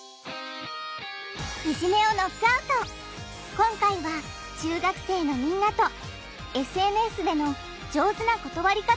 今回は中学生のみんなとＳＮＳでの「上手な断り方」を考えるよ！